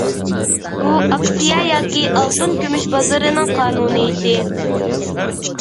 بۇ ئاكسىيە ياكى ئالتۇن كۈمۈش بازىرىنىڭ قانۇنىيىتى.